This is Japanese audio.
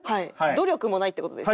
努力もないって事ですか？